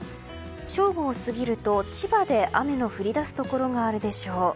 正午を過ぎると千葉で雨の降り出すところがあるでしょう。